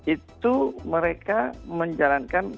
itu mereka menjalankan